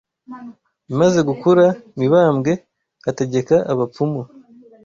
imaze gukura Mibambwe ategeka abapfumu